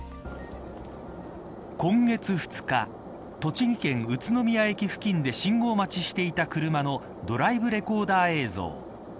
今月２日栃木県宇都宮駅付近で信号待ちしていた車のドライブレコーダー映像。